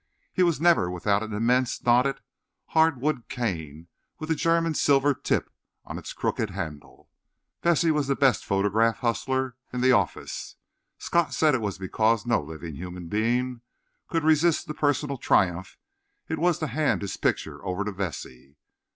He was never without an immense, knotted, hard wood cane with a German silver tip on its crooked handle. Vesey was the best photograph hustler in the office. Scott said it was because no living human being could resist the personal triumph it was to hand his picture over to Vesey.